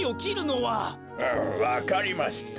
うむわかりました。